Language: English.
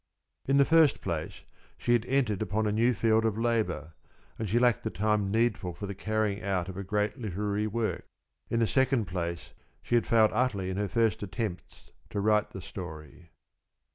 In the first place she had entered upon a new field of labor, and she lacked the time needful for the carrying out of a great literary work. In the second place she had failed utterly in her first attempts to write the story.